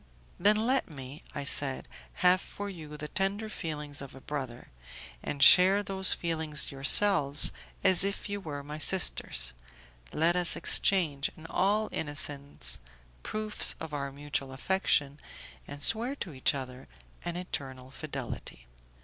"Then let me," I said, "have for you the tender feelings of a brother, and share those feelings yourselves as if you were my sisters; let us exchange, in all innocence, proofs of our mutual affection, and swear to each other an eternal fidelity."